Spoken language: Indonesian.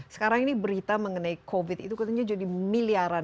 sekarang ini berita mengenai covid sembilan belas itu jadinya miliaran